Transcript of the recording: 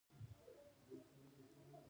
يوه نامعلوم لور ته ترې رهي شول او ولاړل.